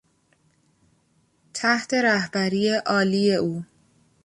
تحت رهبری عالی او